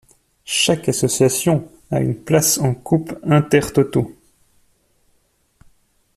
Chaque association a une place en coupe Intertoto.